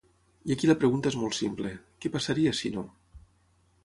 I aquí la pregunta és molt simple: què passaria si no?